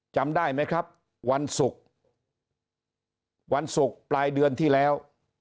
จำได้ไหมครับวันศุกร์วันศุกร์ปลายเดือนที่แล้ว